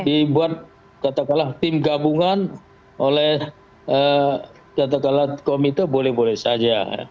dibuat kata kata tim gabungan oleh kata kata komite boleh boleh saja